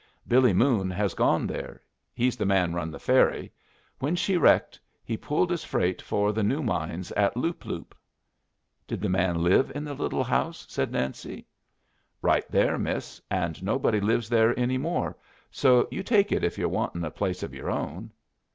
Billy Moon has gone there he's the man run the ferry. When she wrecked, he pulled his freight for the new mines at Loop Loop." "Did the man live in the little house?" said Nancy. "Right there, miss. And nobody lives there any more, so you take it if you're wantin' a place of your own."